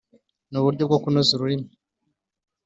ni uburyo bwo kunoza ururimi